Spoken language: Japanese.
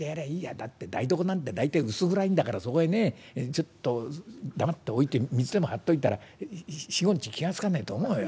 だって台所なんて大体薄暗いんだからそこへねちょっと黙って置いて水でも張っといたら４５日気が付かねえと思うよ。